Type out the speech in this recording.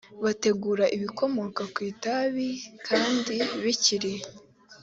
bategura ibikomoka ku itabi kandi bikiri